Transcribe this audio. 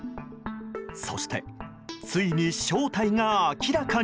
そして、ついに正体が明らかに。